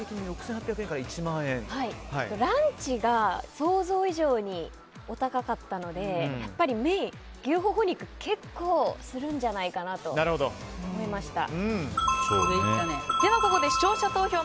６８００円からランチが想像以上にお高かったのでやっぱりメイン、牛ほほ肉は結構するんじゃないかなと思いました。